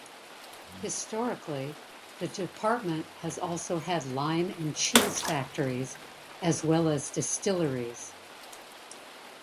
Historically, the Department has also had lime and cheese factories, as well as distilleries.